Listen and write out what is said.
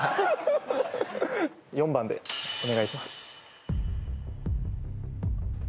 ４番でお願いします